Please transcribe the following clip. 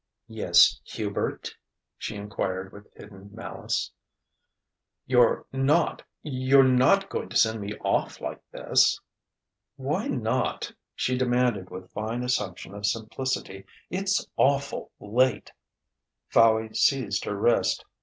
"Yes, Hubert?" she enquired with hidden malice. "You're not you're not going to send me off like this?" "Why not?" she demanded with fine assumption of simplicity. "It's awful' late." Fowey seized her wrist.